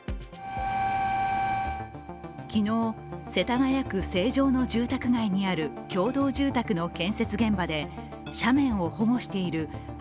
昨日、世田谷区成城の住宅街にある共同住宅の建設現場で斜面を保護している幅